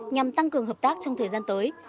nhằm tăng cường hợp tác trong thời gian tới